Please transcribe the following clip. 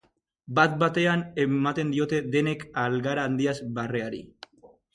Bat-batean ematen diote denek algara handiaz barreari.